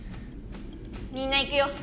みんな行くよ！